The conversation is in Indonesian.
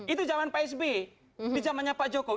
itu zaman pak sb di zamannya pak jokowi